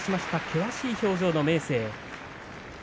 険しい表情の明生。